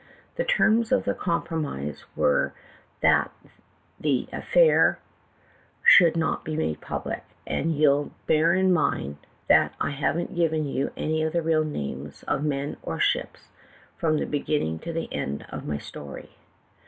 "The terms of the compro mise were that the affair should not be made public, and you 'll bear in mind that I haven't given ^^ou any of the real names of men or ships, from the beginning to the end of my story.